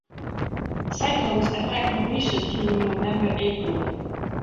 Cyclones affect Mauritius during November-April.